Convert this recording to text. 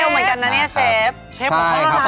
มันละลายเร็วเหมือนกันน่ะเนี่ยเชฟ